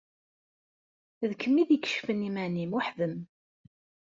D kemm i d-ikecfen iman-im weḥd-m.